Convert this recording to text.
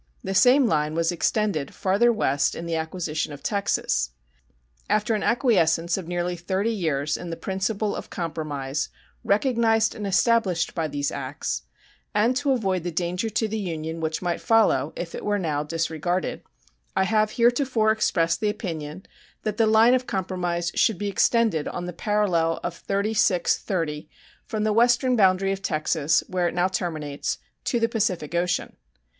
The same line was extended farther west in the acquisition of Texas. After an acquiescence of nearly thirty years in the principle of compromise recognized and established by these acts, and to avoid the danger to the Union which might follow if it were now disregarded, I have heretofore expressed the opinion that that line of compromise should be extended on the parallel of 36 30' from the western boundary of Texas, where it now terminates, to the Pacific Ocean.